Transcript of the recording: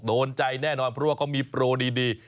โดนใจแน่นอนเพราะว่าเขามีโปรดี